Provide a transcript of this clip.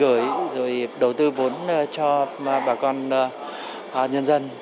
gửi rồi đầu tư vốn cho bà con nhân dân